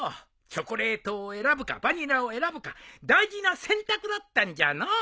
チョコレートを選ぶかバニラを選ぶか大事な選択だったんじゃのう。